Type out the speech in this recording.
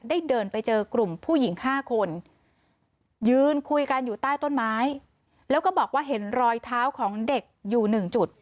เดินไปเจอกลุ่มผู้หญิง๕คนยืนคุยกันอยู่ใต้ต้นไม้แล้วก็บอกว่าเห็นรอยเท้าของเด็กอยู่๑จุด